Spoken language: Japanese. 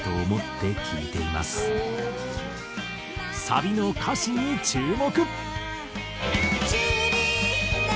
サビの歌詞に注目！